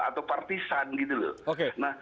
atau partisan gitu loh